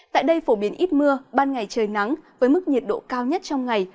tại đây phổ biến ít mưa ban ngày trời nắng với mức nhiệt độ cao nhất trong ngày